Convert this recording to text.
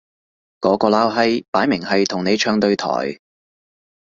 嗰個撈閪擺明係同你唱對台